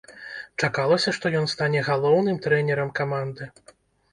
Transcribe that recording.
Чакалася, што ён стане галоўным трэнерам каманды.